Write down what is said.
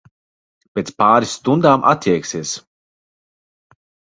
Pēc pāris stundām atjēgsies.